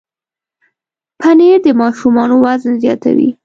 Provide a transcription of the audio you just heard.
پنېر د ماشومانو وزن زیاتوي.